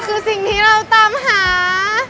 คือสิ่งที่เราตามหา